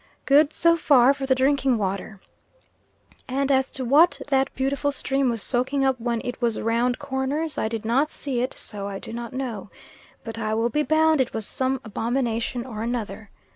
Good, so far, for the drinking water! and as to what that beautiful stream was soaking up when it was round corners I did not see it, so I do not know but I will be bound it was some abomination or another.